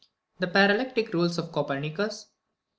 13. The parallactic rules of Copernicus.